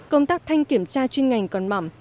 công tác thanh kiểm tra chuyên ngành còn mỏm